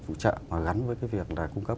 phụ trợ gắn với cái việc là cung cấp